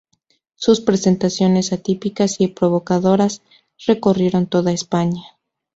Sus presentaciones atípicas y provocadoras recorrieron toda España.